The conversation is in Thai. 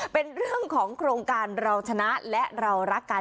เป็นเรื่องของโครงการเราชนะและเรารักกัน